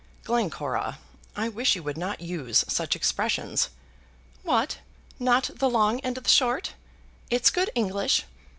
"Glencora, I wish you would not use such expressions." "What! not the long and the short? It's good English.